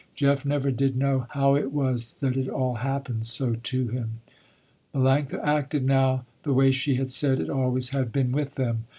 Jeff never did know how it was that it all happened so to him. Melanctha acted now the way she had said it always had been with them.